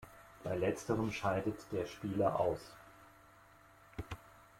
Bei Letzterem scheidet der Spieler aus.